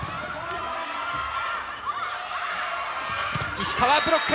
石川ブロック！